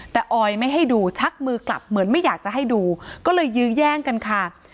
แต่ออยไม่ให้ดูชักมือกลับเหมือนไม่อยากจะให้ดูก็เลยยื้อแย่งกันค่ะ